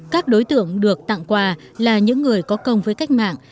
các đối tượng được tặng quà là những người có công với cách mạng